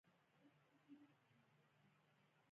صنعتي پارکونه د تولید لپاره فعال وي.